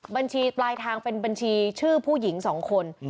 บัญชีปลายทางเป็นบัญชีชื่อผู้หญิง๒คน